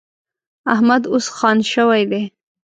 احمد اوس خان شوی دی.